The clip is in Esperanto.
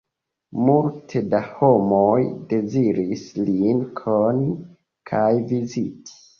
Multe da homoj deziris lin koni kaj viziti.